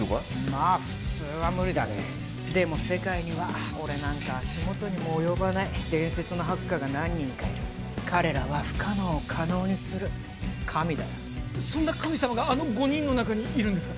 まあ普通は無理だねでも世界には俺なんか足元にも及ばない伝説のハッカーが何人かいる彼らは不可能を可能にする神だよそんな神様があの５人の中にいるんですか？